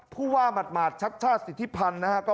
ผู้ว่ามัดชัดสิทธิพันธุ์